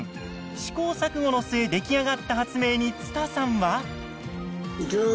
試行錯誤の末出来上がった発明につたさんは。